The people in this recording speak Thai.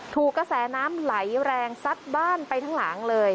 ถูกกระแสน้ำไหลแรงซัดบ้านไปทั้งหลังเลย